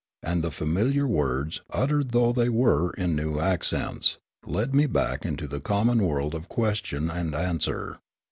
And the familiar words, uttered though they were in new accents, led me back into the common world of question and answer.